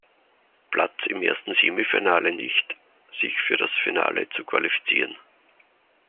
Platz im ersten Semifinale nicht, sich für das Finale zu qualifizieren.